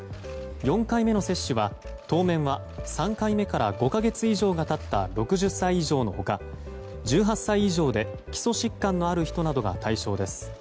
４回目の接種は当面は３回目から５か月以上が経った６０歳以上の他１８歳以上で基礎疾患のある人などが対象です。